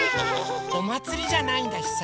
おまつりじゃないんだしさ。